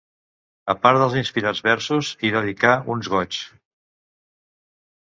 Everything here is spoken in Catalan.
A part dels inspirats versos, hi dedicà uns Goigs.